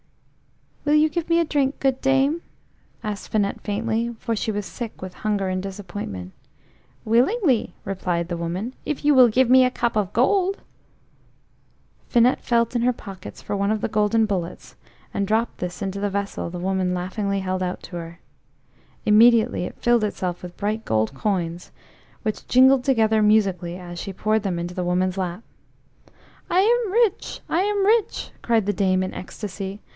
"Will you give me a drink, good dame?" asked Finette faintly, for she was sick with hunger and disappointment. "Willingly," replied the woman, "if you will give me a cup of gold!" INETTE felt in her pockets for one of the golden bullets, and dropped this into the vessel the woman laughingly held out to her. Immediately it filled itself with bright gold coins, which jingled together musically as she poured them into the woman's lap. "I am rich! I am rich!" cried the dame in ecstasy.